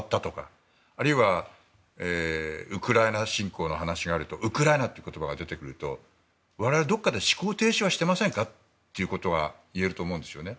ここ数年来、日本を取り巻く安全保障環境が変わったとかあるいはウクライナ侵攻の話があるとウクライナという言葉が出てくると我々どこかで思考停止していませんかと言えると思うんですよね。